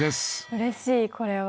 うれしいこれは。